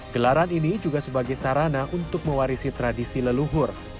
gelaran ini juga sebagai sarana untuk mewarisi tradisi leluhur